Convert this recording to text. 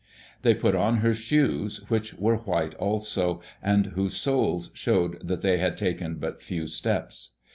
They put on her shoes, which were white too, and whose soles showed that they had taken but few steps.